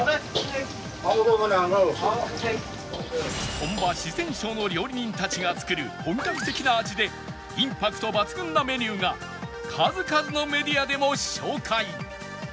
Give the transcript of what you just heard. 本場四川省の料理人たちが作る本格的な味でインパクト抜群なメニューが数々のメディアでも紹介